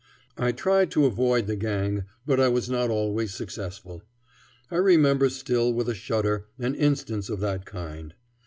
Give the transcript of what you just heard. I tried to avoid the gang, but I was not always successful. I remember still with a shudder an instance of that kind.